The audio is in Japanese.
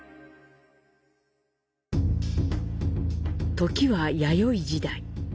時は、弥生時代。